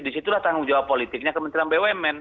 di situ lah tanggung jawab politiknya kementerian bumn